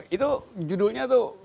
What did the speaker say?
itu judulnya tuh